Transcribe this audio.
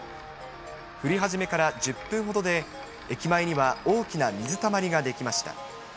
降り始めから１０分ほどで、駅前には大きな水たまりが出来ました。